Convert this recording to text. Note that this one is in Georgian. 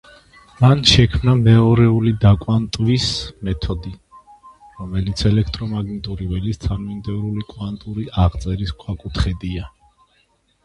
მან შექმნა მეორეული დაკვანტვის მეთოდი, რომელიც ელექტრომაგნიტური ველის თანმიმდევრული კვანტური აღწერის ქვაკუთხედია.